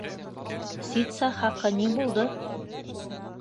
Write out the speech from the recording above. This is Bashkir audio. — Ситса хаҡы ни булды?